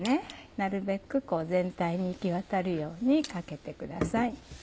なるべく全体に行きわたるようにかけてください。